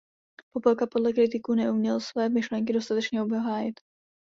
Popelka podle kritiků neuměl své myšlenky dostatečně obhájit.